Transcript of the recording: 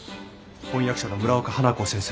翻訳者の村岡花子先生